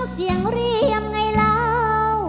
เสียงเรียมไงเรา